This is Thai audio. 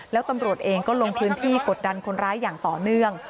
แล้วตำรวจเองก็ลงพื้นที่กดดันคนร้ายอย่างต่อเนื่อง